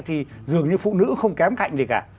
thì dường như phụ nữ không kém cạnh gì cả